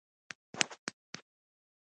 په خپل وخت پر ونو دوا شیندل ډېر اړین کار دی.